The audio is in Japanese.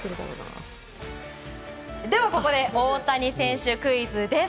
ではここで大谷選手クイズです。